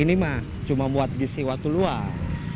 ini cuma buat ngisi waktu luar